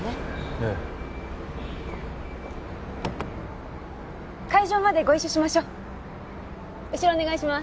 ええ会場までご一緒しましょう後ろお願いします